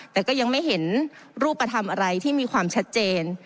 แต่ก็ยังไม่เห็นรูปธรรมอะไรที่มีความชัดเจน